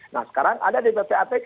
nah sekarang ada di ppatk